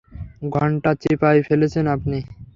ঘন্টা চিপায় ফেলছেন আপনি।